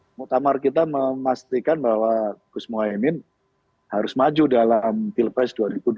muktamar kita memastikan bahwa gus mohaimin harus maju dalam pilpres dua ribu dua puluh